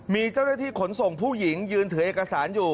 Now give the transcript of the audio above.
มีเจ้าหน้าที่ขนส่งผู้หญิงยืนถือเอกสารอยู่